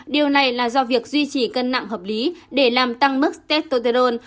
điều này là do việc duy trì cân nặng hợp lý để làm tăng mức tetroterol